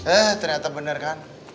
eh ternyata benar kan